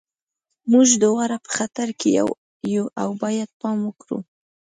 موږ دواړه په خطر کې یو او باید پام وکړو